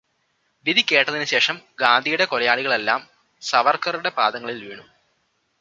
വിധി കേട്ടതിനു ശേഷം ഗാന്ധിയുടെ കൊലയാളികളെല്ലാം സവർക്കറുടെ പാദങ്ങിൽ വീണു.